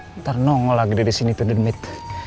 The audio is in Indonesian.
hai ntar nongol lagi di sini tuh demit